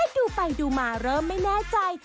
ดูไปดูมาเริ่มไม่แน่ใจ